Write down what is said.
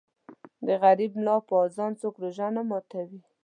د غریب ملا په اذان څوک روژه نه ماتوي.